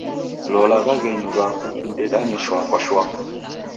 Lola w'aghenyu w'aku mdedanye shwaa kwa shwaa.